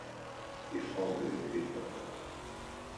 If only it hit better.